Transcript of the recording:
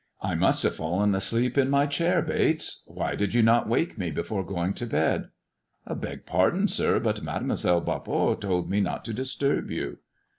" I must have fallen to sleep in my chair, Bates. Why did you not wake me before going to bed V Beg pardon, sir, but Mademoiselle Barbot told me not to disturb you."